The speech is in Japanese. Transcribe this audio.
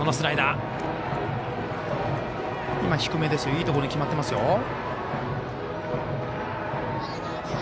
今、低めでいいところに決まってますよ。